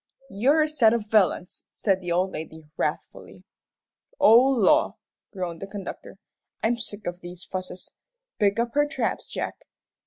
"You're a set of villains!" said the old lady, wrathfully. "Oh, law!" groaned the conductor, "I'm sick of these fusses. Pick up her traps, Jack."